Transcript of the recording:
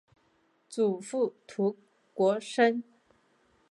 祖父涂国升。